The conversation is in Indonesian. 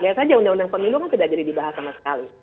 lihat saja undang undang pemilu kan tidak jadi dibahas sama sekali